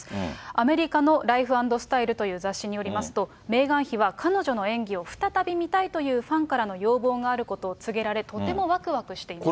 アメリカのライフ・アンド・スタイルという雑誌によりますと、メーガン妃は彼女の演技を再び見たいというファンからの要望があることを告げられ、とてもわくわくしていますと。